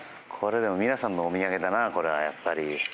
皆さんのお土産だなこれは、やっぱり。